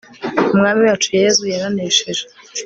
umwami wacu yezu yaranesheje